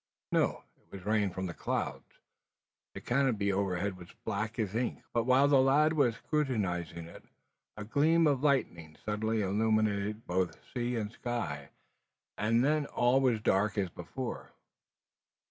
No. It was rain from the clouds. The canopy overhead was black as ink; but while the lad was scrutinising it, a gleam of lightning suddenly illumined both sea and sky, and then all was dark as before.